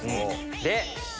で！